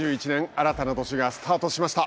新たな年がスタートしました。